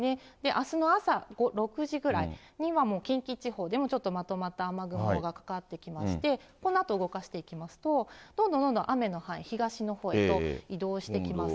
あすの朝、ここ６時ぐらいには、もう近畿地方、ちょっとまとまった雨雲がかかってきまして、このあと動かしていきますと、どんどんどんどん雨の範囲、東のほうへと移動してきます。